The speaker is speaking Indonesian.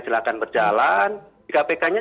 silahkan berjalan di kpk nya